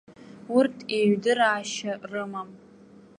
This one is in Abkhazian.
Урҭ еиҩдыраашьа рымам.